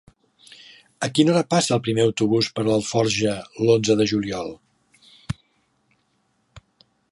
A quina hora passa el primer autobús per Alforja l'onze de juliol?